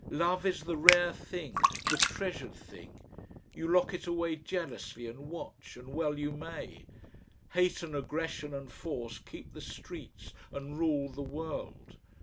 Love is the rare thing, the treasured thing; you lock it away jealously and watch, and well you may; hate and aggression and force keep the streets and rule the world.